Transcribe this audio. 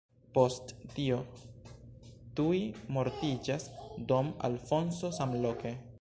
Post tio tuj mortiĝas don Alfonso samloke.